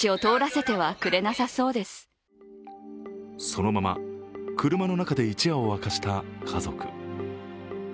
そのまま車の中で一夜を明かした家族。